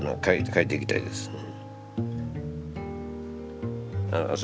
描いていきたいですね。